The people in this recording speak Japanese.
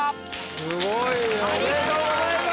すごい。おめでとうございます。